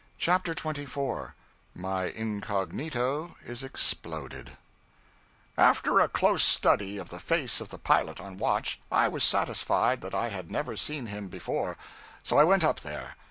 CHAPTER 24 My Incognito is Exploded AFTER a close study of the face of the pilot on watch, I was satisfied that I had never seen him before; so I went up there.